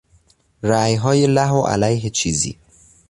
رایهای له و علیه چیزی